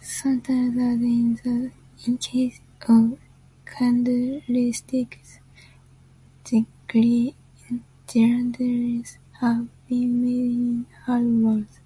Sometimes, as in the case of candlesticks, girandoles have been made in hardwoods.